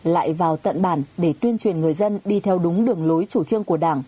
lại vào tận bản để tuyên truyền người dân đi theo đúng đường lối chủ trương của đảng